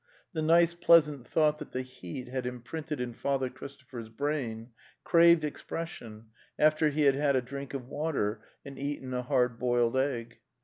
The nice pleasant thought that the heat had imprinted in Father Christopher's brain craved expression after he had had a drink of water and eaten a hard boiled egg.